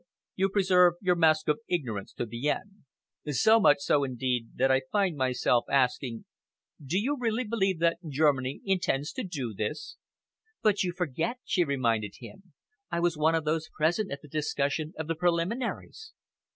You preserve your mask of ignorance to the end. So much so, indeed, that I find myself asking do you really believe that Germany intends to do this?" "But you forget," she reminded him. "I was one of those present at the discussion of the preliminaries.